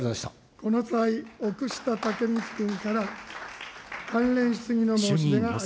この際、奥下剛光君から関連質疑の申し出があります。